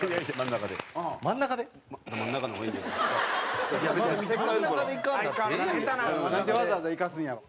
なんでわざわざ行かすんやろ。